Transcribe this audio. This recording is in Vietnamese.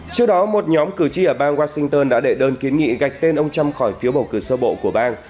trước đó một nhóm cử tri ở bang washington đã đệ đơn kiến nghị gạch tên ông trump khỏi phiếu bầu cử sơ bộ của bang